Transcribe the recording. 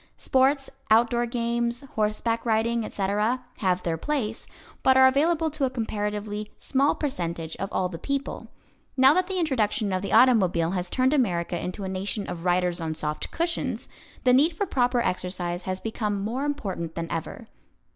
Sports, outdoor games, horseback riding, etc., have their place, but are available to a comparatively small percentage of all the people. Now that the introduction of the automobile has turned America into a nation of riders on soft cushions, the need for proper exercise has become more important than ever.